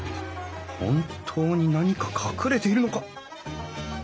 本当に何か隠れているのか？